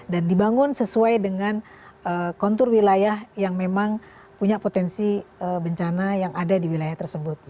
dan dibangun sesuai dengan kontur wilayah yang memang punya potensi bencana yang ada di wilayah tersebut